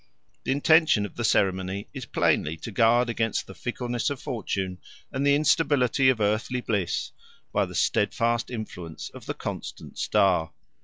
The intention of the ceremony is plainly to guard against the fickleness of fortune and the instability of earthly bliss by the steadfast influence of the constant star.